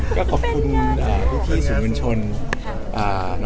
ก็ขอบคุณพี่สูงเงินชน